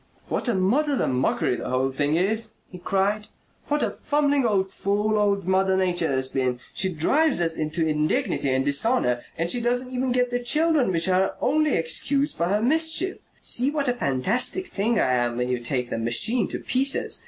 "What a muddle and mockery the whole thing is!" he cried. "What a fumbling old fool old Mother Nature has been! She drives us into indignity and dishonour: and she doesn't even get the children which are her only excuse for her mischief. See what a fantastic thing I am when you take the machine to pieces!